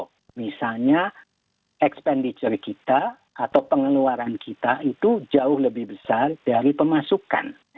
nah itu maksudnya expenditure kita atau pengeluaran kita itu jauh lebih besar dari pemasukan